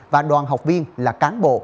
và đoàn học viên là cán bộ